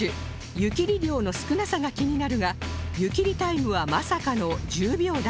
湯切り量の少なさが気になるが湯切りタイムはまさかの１０秒台